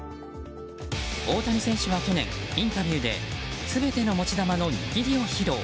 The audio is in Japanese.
大谷選手は去年、インタビューで全ての持ち球の握りを披露。